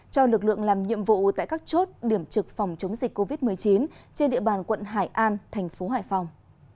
cho lực lượng làm nhiệm vụ tại các chốt điểm trực phòng chống dịch covid một mươi chín trên địa bàn quận hải an thành phố hải phòng